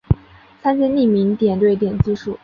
参见匿名点对点技术。